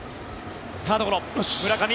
サードゴロ、村上。